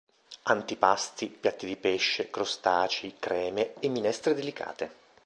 Antipasti, piatti di pesce, crostacei, creme e minestre delicate.